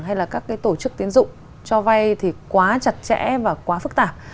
hay là các tổ chức tín dụng cho vai thì quá chặt chẽ và quá phức tạp